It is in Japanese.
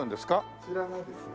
こちらがですね